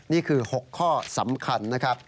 นี่คือ๖ข้อสำคัญ